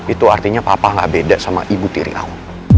itu artinya papa nggak beda sama ibu tiri awal